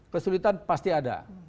kesulitan pasti ada